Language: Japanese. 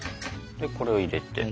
でこれを入れて。